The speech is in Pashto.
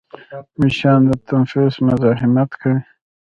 مچان د تنفس مزاحمت کوي